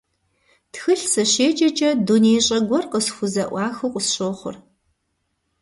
Тхылъ сыщеджэкӀэ, дунеищӀэ гуэр къысхузэӀуахыу къысщохъур.